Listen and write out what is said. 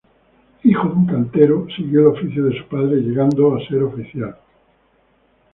Hijo de un cantero, siguió el oficio de su padre, llegando ser oficial.